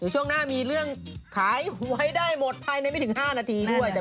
ช่วงหน้ามีเรื่องขายหวยได้หมดภายในไม่ถึง๕นาทีด้วย